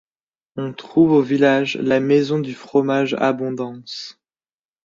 On trouve au village La Maison du Fromage Abondance.